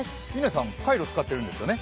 嶺さん、カイロ使っているんですよね？